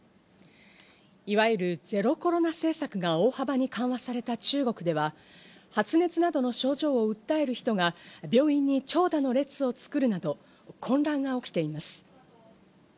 いわゆるゼロコロナ政策が大幅に緩和された中国では、発熱などの症状を訴える人が病院に長蛇の列を作るなど、混乱が起きています。